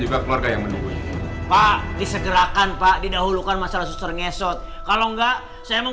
juga keluarga yang menunggu pak disegerakan pak didahulukan masalah suster nyesot kalau enggak saya